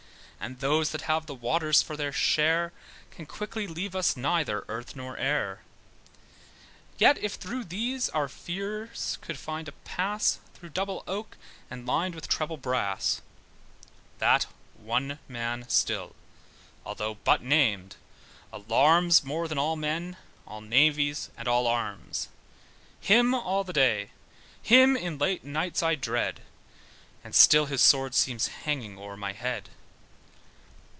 And those that have the waters for their share, Can quickly leave us neither earth nor air. Yet if through these our fears could find a pass, Through double oak, and lined with treble brass, That one man still, although but named, alarms More than all men, all navies, and all arms. Him, in the day, him, in late night I dread, And still his sword seems hanging o'er my head.